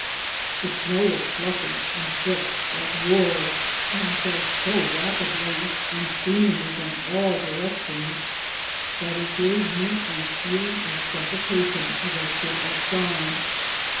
The snow was fluffy and thick, like wool, and fell so rapidly, and seem ingly from all directions, that it gave me a feeling of suffocation as I stood outside.